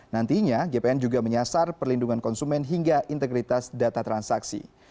nantinya gpn juga menyasar perlindungan konsumen hingga integritas data transaksi